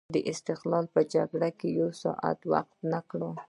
د استقلال په جګړې یو ساعت وقف نه کړ.